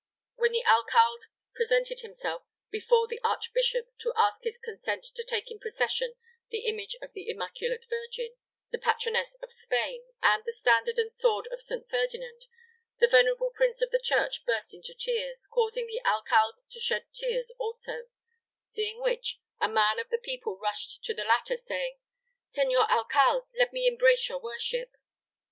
When the alcalde presented himself before the archbishop to ask his consent to take in procession the image of the Immaculate Virgin, the patroness of Spain, and the standard and sword of St. Ferdinand, the venerable Prince of the Church burst into tears, causing the alcalde to shed tears also; seeing which, a man of the people rushed to the latter, saying: "Senor Alcalde, let me embrace your worship!"